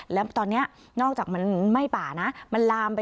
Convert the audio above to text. และตอนนี้นอกจากมันไม่ป่านะมันลามไปที่ท้ายหมู่บ้าน